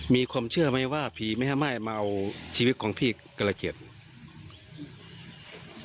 มีความเชื่อมั้ยว่าผีแม่ไม้มาเอาชีวิตของพี่กระละเกียจ